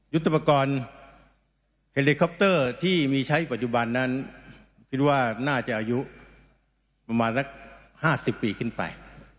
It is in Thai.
ยุทธปกรณ์เฮลิคอปเตอร์ที่มีใช้ปัจจุบันนั้นคิดว่าน่าจะอายุประมาณสัก๕๐ปีขึ้นไป